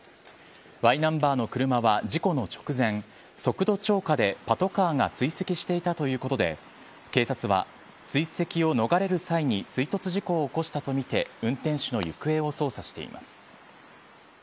Ｙナンバーの車は事故の直前速度超過でパトカーが追跡していたということで警察は、追跡を逃れる際に追突事故を起こしたとみて運転手の行方を捜査しています。